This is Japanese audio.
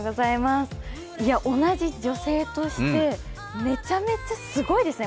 同じ女性としてめちゃめちゃすごいですね。